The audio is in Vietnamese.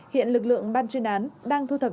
hiện lực lượng ban chuyên án đang thu thập